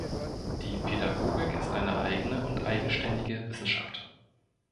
Die Pädagogik ist eine eigene und eigenständige Wissenschaft.